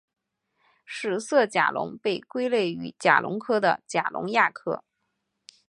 史色甲龙被归类于甲龙科的甲龙亚科。